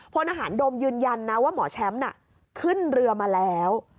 พลอาหารโดมยืนยันนะว่าหมอแชมป์ขึ้นเรือมาแล้ว